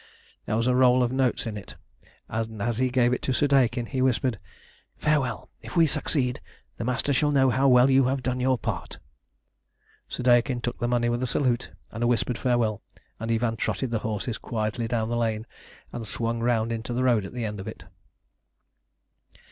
There was a roll of notes in it, and as he gave it to Soudeikin he whispered "Farewell! If we succeed, the Master shall know how well you have done your part." Soudeikin took the money with a salute and a whispered farewell, and Ivan trotted his horses quietly down the lane and swung round into the road at the end of it.